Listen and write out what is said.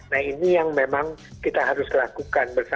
nah ini yang memang kita harus lakukan